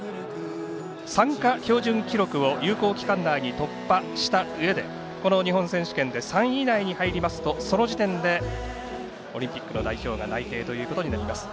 参加標準記録を有効期間内に突破したうえでこの日本選手権で３位以内に入りますとその時点でオリンピックの代表が内定となります。